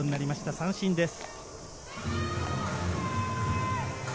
三振です。